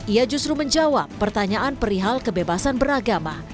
ia justru menjawab pertanyaan perihal kebebasan beragama